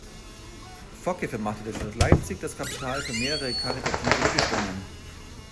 Focke vermachte der Stadt Leipzig das Kapital für mehrere karitative Stiftungen.